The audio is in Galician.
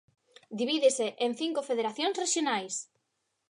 Divídese en cinco federacións rexionais.